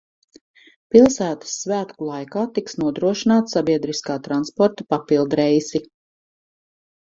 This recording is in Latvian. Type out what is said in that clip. Pilsētas svētku laikā tiks nodrošināti sabiedriskā transporta papildreisi.